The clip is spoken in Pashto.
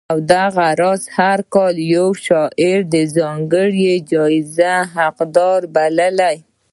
او دغه راز هر کال یو شاعر د ځانګړې جایزې حقدار بولي